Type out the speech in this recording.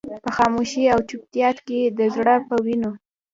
په خاموشۍ او چوپتيا کې د زړه په وينو.